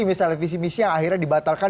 misalnya visi misi yang akhirnya dibatalkan